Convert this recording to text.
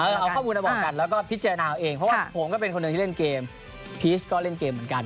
เอาข้อมูลมาบอกกันแล้วก็พิจารณาเอาเองเพราะว่าผมก็เป็นคนหนึ่งที่เล่นเกมพีชก็เล่นเกมเหมือนกัน